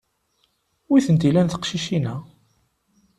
Wi tent-illan teqcicin-a?